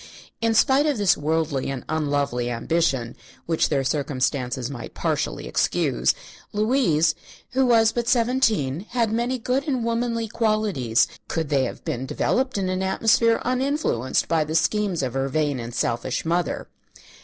In spite of this worldly and unlovely ambition, which their circumstances might partially excuse, Louise, who was but seventeen, had many good and womanly qualities, could they have been developed in an atmosphere uninfluenced by the schemes of her vain and selfish mother.